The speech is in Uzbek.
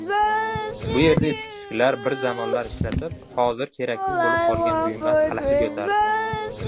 Bu yerda eski-tuskilar, bir zamonlar ishlatib, hozir keraksiz boʻlib qolgan buyumlar qalashib yotardi.